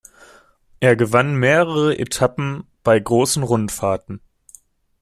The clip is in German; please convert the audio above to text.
Er gewann mehrere Etappen bei großen Rundfahrten.